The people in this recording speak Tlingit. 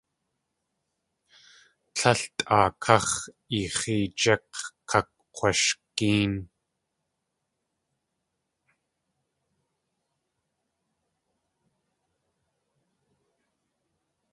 Tlél tʼaa káx̲ eex̲eejík̲, kakg̲washgéen.